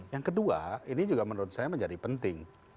yang kedua ini juga menurut saya menjadi penting